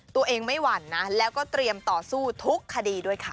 ตัวเองไม่หวั่นนะแล้วก็เตรียมต่อสู้ทุกคดีด้วยค่ะ